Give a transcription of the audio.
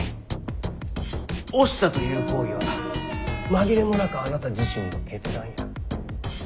押したという行為は紛れもなくあなた自身の決断や。